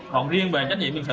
còn riêng về trách nhiệm viện sự